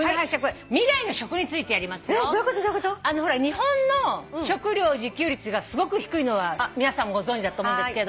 日本の食料自給率がすごく低いのは皆さんもご存じだと思うんですけれども。